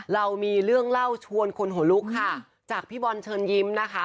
เรามีเรื่องเล่าชวนคนหัวลุกค่ะจากพี่บอลเชิญยิ้มนะคะ